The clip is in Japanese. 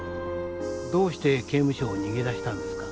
どうして刑務所を逃げ出したんですか？